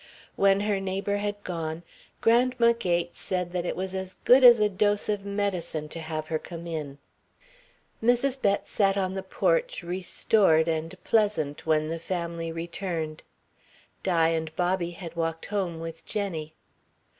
When her neighbour had gone, Grandma Gates said that it was as good as a dose of medicine to have her come in. Mrs. Bett sat on the porch restored and pleasant when the family returned. Di and Bobby had walked home with Jenny.